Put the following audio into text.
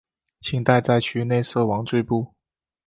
清代在区内设王赘步。